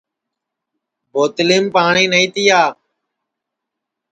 بوتلِیم پاٹؔی نائی تِیا